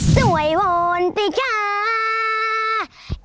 อศวยภ้อกลัว